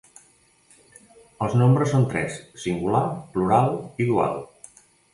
Els nombres són tres: singular, plural i dual.